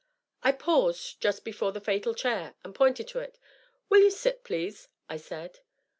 I paused just before the fatal chair and pointed to it. " Will you sit, please ?'^ 1 said.